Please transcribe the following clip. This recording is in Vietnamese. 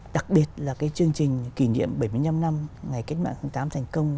đặc biệt là cái chương trình kỷ niệm bảy mươi năm năm ngày cách mạng tháng tám thành công